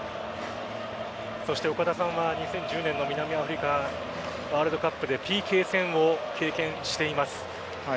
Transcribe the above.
そして岡田さんは２０１０年の南アフリカワールドカップでＰＫ戦を経験しています。